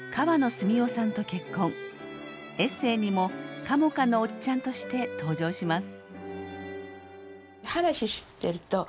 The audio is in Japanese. エッセーにも「カモカのおっちゃん」として登場します。